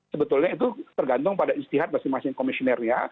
sebetulnya itu tergantung pada istihad masing masing komisionernya